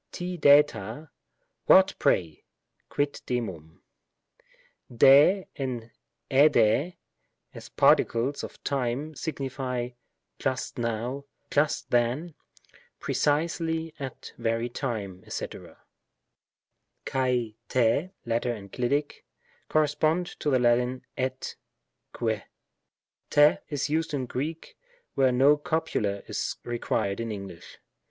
ri drjra; "what, pray?" (quid demum?) 5^ and^^/y, as particles of time, signify "just now," "just then," "pre cisely at that very time," &c. xal — Tt (latter enclitic) correspond to the Lat. et — que. Tt is used in Greek, where no copula is required in English.